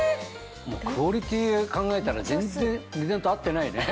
クオリティー考えたら全然値段と合ってないね。